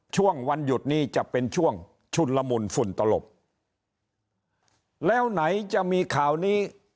ช่วงวันหยุดนี้จะเป็นช่วงชุนละมุนฝุ่นตลบแล้วไหนจะมีข่าวนี้